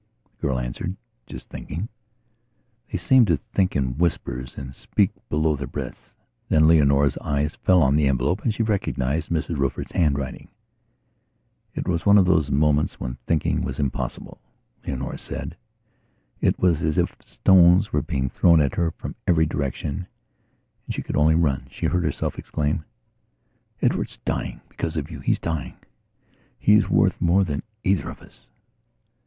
The girl answered: "Just thinking." They seemed to think in whispers and to speak below their breaths. Then Leonora's eyes fell on the envelope, and she recognized Mrs Rufford's handwriting. It was one of those moments when thinking was impossible, Leonora said. It was as if stones were being thrown at her from every direction and she could only run. She heard herself exclaim: "Edward's dyingbecause of you. He's dying. He's worth more than either of us...."